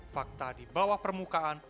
fakta di bawah permukaan